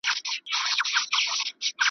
خندا مې نه راځي په خوله بلا وهلی یمه